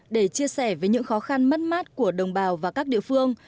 để chia sẻ với những khó khăn mất mát của đồng bào và các địa phương